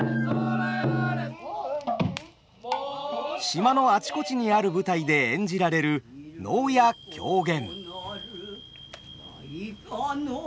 島のあちこちにある舞台で演じられる能や狂言。